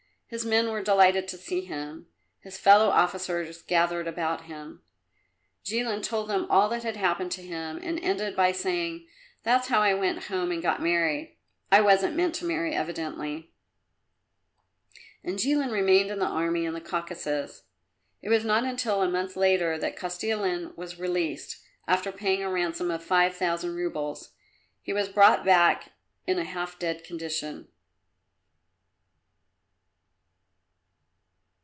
His men were delighted to see him; his fellow officers gathered about him. Jilin told them all that had happened to him and ended by saying, "That's how I went home and got married. I wasn't meant to marry, evidently." And Jilin remained in the army in the Caucasus. It was not until a month later that Kostilin was released, after paying a ransom of five thousand roubles. He was brought back in a half dead condition.